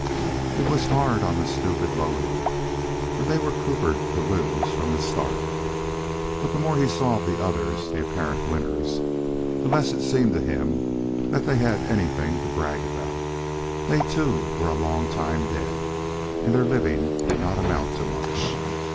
It was hard on the stupid lowly, for they were coppered to lose from the start; but the more he saw of the others, the apparent winners, the less it seemed to him that they had anything to brag about. They, too, were a long time dead, and their living did not amount to much.